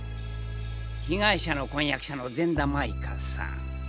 被害者の婚約者の善田舞佳さん。